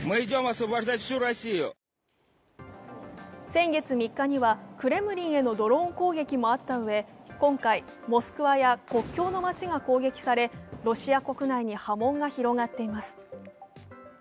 先月３日には、クレムリンへのドローン攻撃もあったうえ、今回、モスクワや国境の町が攻撃され、ロシア国内に波紋が広がっています。